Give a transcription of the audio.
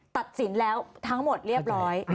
ตัดสินแล้วทั้งหมดเรียบร้อย